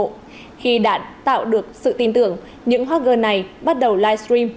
khi đạt tạo được sự tin tưởng những hot girl này bắt đầu live stream